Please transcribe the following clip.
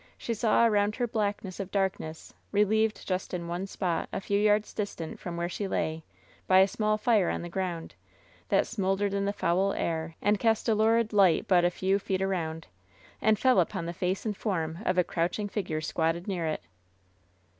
She saw around her blackness of dark ness, relieved just in one spot, a few yards distant from where she lay, by a small fire on the ground, that smol dered in the foul air, and cast a lurid light but a few feet around, and fell upon the face and form of a crouching figure squatted near it.